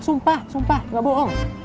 sumpah sumpah nggak bohong